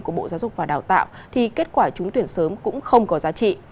của bộ giáo dục và đào tạo thì kết quả trúng tuyển sớm cũng không có giá trị